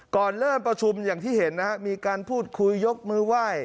ก่อนเริ่มประชุมอย่างที่เห็นนะครับมีการพูดคุยยกมือไหว้